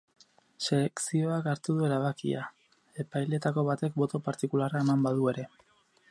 Sekzioak hartu du erabakia, epaileetako batek boto partikularra eman badu ere.